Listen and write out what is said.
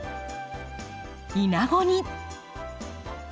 イナゴに。